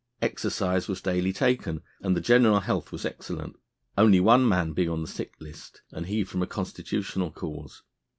Exercise was daily taken and the general health was excellent, only one man being on the sick list, and he from a constitutional cause.